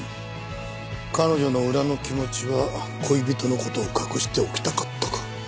彼女の裏の気持ちは「恋人の事を隠しておきたかった」か。